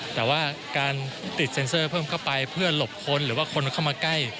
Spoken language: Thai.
แต่ว่าการติดเซ็นเซอร์เพิ่มเข้าไปเพื่อหลบคนหรือว่าคนเข้ามาใกล้